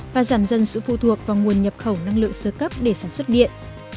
và giảm dần sự phụ thuộc vào nguồn nhập khẩu năng lượng sơ cấp để sản xuất điện